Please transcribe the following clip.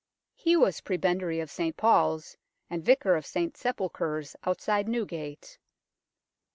He was Prebendary of St Paul's, and vicar of St Sepulchre's, outside Newgate.